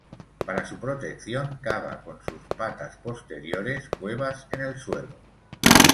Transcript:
Para su protección, cava con sus patas posteriores cuevas en el suelo.